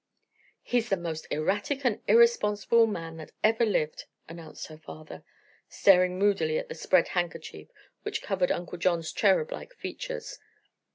"He's the most erratic and irresponsible man that ever lived," announced her father, staring moodily at the spread handkerchief which covered Uncle John's cherub like features.